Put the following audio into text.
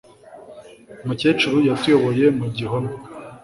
Umukecuru yatuyoboye mu gihome.